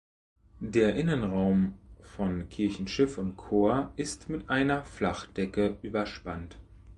Der Innenraum von Kirchenschiff und Chor ist mit einer Flachdecke überspannt.